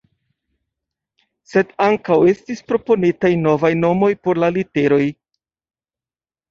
Sed ankaŭ estis proponitaj novaj nomoj por la literoj.